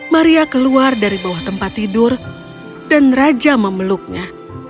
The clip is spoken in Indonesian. maria keluar dari bawah tempat tidur dan raja memeluknya